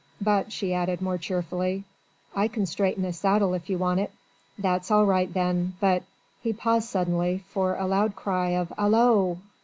But," she added more cheerfully, "I can straighten a saddle if you want it." "That's all right then but...." He paused suddenly, for a loud cry of "Hallo!